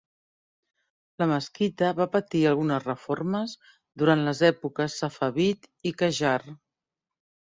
La mesquita va patir algunes reformes durant les èpoques Safavid i Qajar.